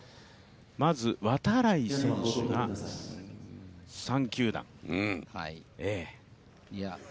まず度会選手が３球団。